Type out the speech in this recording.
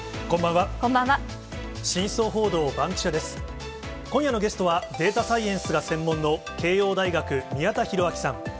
今夜のゲストは、データサイエンスが専門の、慶応大学、宮田裕章さん。